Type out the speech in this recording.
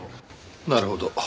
なるほど。